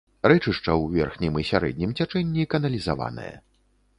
Рэчышча ў верхнім і сярэднім цячэнні каналізаванае.